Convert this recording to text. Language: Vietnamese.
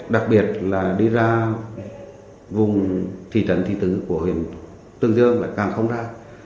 đặc biệt là đi ra vùng thị trấn thị tứ của huyện tương dương là càng không ra